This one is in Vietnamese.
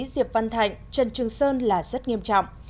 diệp văn thạnh trần trường sơn là rất nghiêm trọng